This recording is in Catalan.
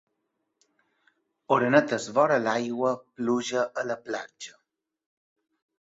Orenetes vora l'aigua, pluja a la platja.